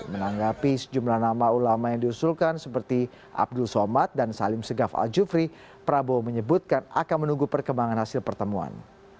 menanggapi sejumlah nama ulama yang diusulkan seperti abdul somad dan salim segaf al jufri prabowo menyebutkan akan menunggu perkembangan hasil pertemuan